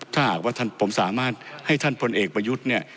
ถ้าหากว่าผมสามารถให้ท่านพลเอกประยุทธ์เนี่ย